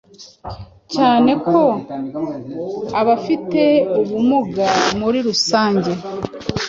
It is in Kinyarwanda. cyane ko abafite ubumuga muri rusange